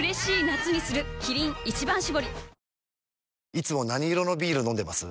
いつも何色のビール飲んでます？